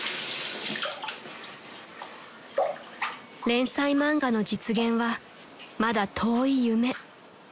［連載漫画の実現はまだ遠い夢］